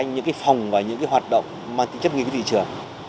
những cái phòng và những cái hoạt động mang tính chấp nghiệp với thị trường